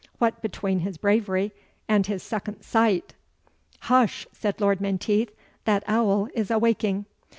What between his bravery and his second sight " "Hush!" said Lord Menteith, "that owl is awaking."